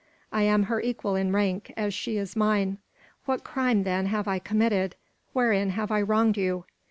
I am her equal in rank, as she is mine. What crime, then, have I committed? Wherein have I wronged you?"